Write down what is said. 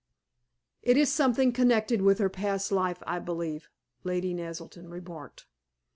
"It is something connected with her past life, I believe," Lady Naselton remarked.